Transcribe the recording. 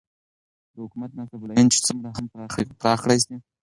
دحكومت نصب العين چې څومره هم پراخ كړى سي